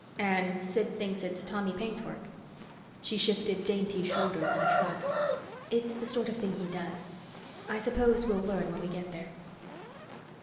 "And Sid thinks it's Tommy Paine's work?" She shifted dainty shoulders in a shrug. "It's the sort of thing he does. I suppose we'll learn when we get there."